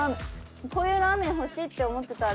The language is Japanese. こういうラーメン欲しいって思ってた。